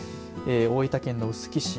大分県の臼杵市。